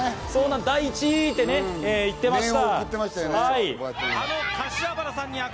「大地！」って言ってました。